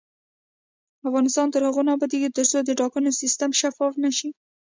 افغانستان تر هغو نه ابادیږي، ترڅو د ټاکنو سیستم شفاف نشي.